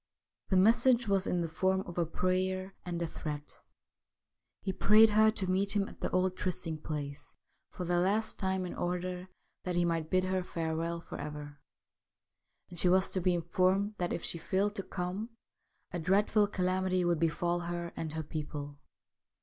The message was in the form of a prayer and a threat. He prayed her to meet him at the old trysting place for the last time in order that he might bid her farewell for ever, and she was to be informed that if she failed to come a dreadful calamity would befall her and her people.